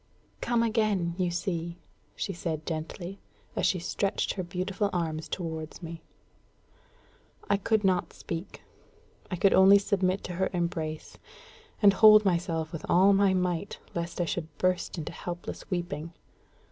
"Come again, you see!" she said gently, as she stretched her beautiful arms towards me. I could not speak. I could only submit to her embrace, and hold myself with all my might, lest I should burst into helpless weeping.